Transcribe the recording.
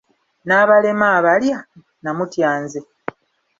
"N'abalema abalya, namutya nze!"